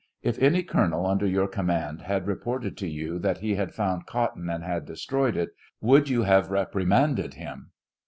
If any Colonel under your command had reported to you that he had found cotton and had destroyed it, would you have reprimanded him